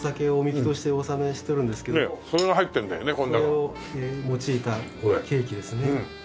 それを用いたケーキですね。